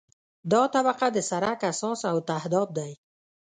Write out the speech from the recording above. دا طبقه د سرک اساس او تهداب دی